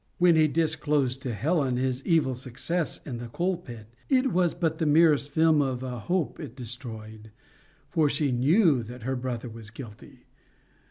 When he disclosed to Helen his evil success in the coalpit, it was but the merest film of a hope it destroyed, for she KNEW that her brother was guilty.